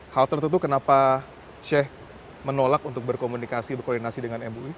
hal tertentu kenapa sheikh menolak untuk berkomunikasi berkoordinasi dengan mui